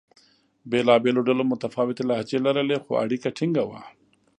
بېلابېلو ډلو متفاوتې لهجې لرلې؛ خو اړیکه ټینګه وه.